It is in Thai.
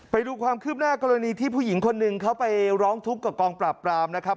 ไปดูความคืบหน้ากรณีที่ผู้หญิงคนหนึ่งเขาไปร้องทุกข์กับกองปราบปรามนะครับ